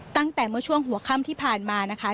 ตั้งแต่เมื่อช่วงหัวค่ำที่ผ่านมานะคะ